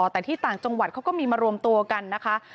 แต่ที่ต่างจังหวัดเขาก็มีมารวมตัวกันนะคะ